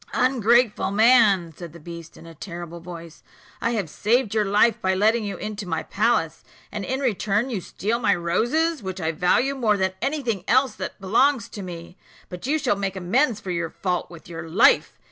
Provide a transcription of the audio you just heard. "Ungrateful man!" said the beast, in a terrible voice, "I have saved your life by letting you into my palace, and in return you steal my roses, which I value more than any thing else that belongs to me. But you shall make amends for your fault with your life.